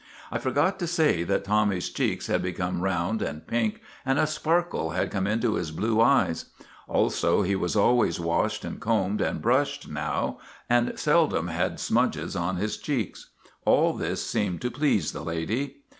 I forgot to say that Tommy's cheeks had become round and pink, and a sparkle had come into his blue eyes; also he was always washed and combed and brushed now, and seldom 64 MAGINNIS had smutches on his cheeks. All this seemed to please the lady.